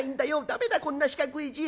駄目だこんな四角い字。